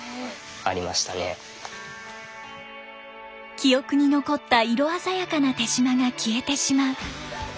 記憶に残った色鮮やかな手島が消えてしまう。